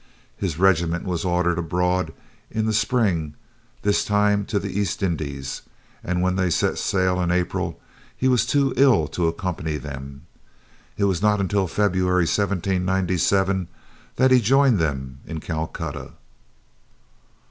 His regiment was ordered abroad in the Spring, this time to the East Indies, and when they set sail, in April, he was too ill to accompany them. It was not until February, 1797, that he joined them in Calcutta.